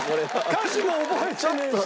歌詞も覚えてねえし。